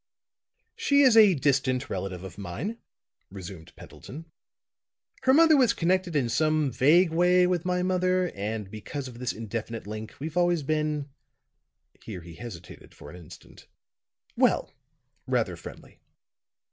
"She is a distant relative of mine," resumed Pendleton; "her mother was connected in some vague way with my mother; and because of this indefinite link, we've always been" here he hesitated for an instant "well, rather friendly.